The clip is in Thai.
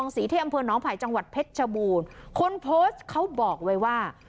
สีที่อำเภอน้องไผ่จังหวัดเพชรชบูรณ์คนโพสต์เขาบอกไว้ว่า